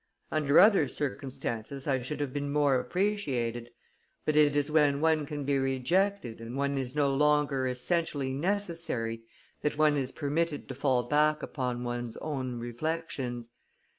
"Under other circumstances I should have been more appreciated; but it is when one can be rejected and when one is no longer essentially necessary that one is permitted to fall back upon one's own reflections.